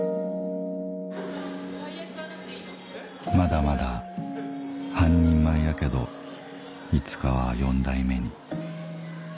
「まだまだ半人前やけどいつかは４代目に」